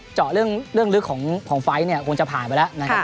เจาะเรื่องลึกของไฟล์เนี่ยคงจะผ่านไปแล้วนะครับ